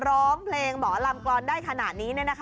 ร้องเพลงหมอลำกรอนได้ขนาดนี้